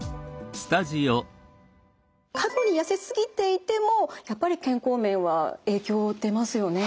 過去にやせすぎていてもやっぱり健康面は影響出ますよね？